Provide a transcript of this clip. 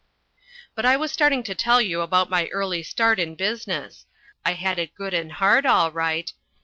But I was starting to tell you about my early start in business. I had it good and hard all right.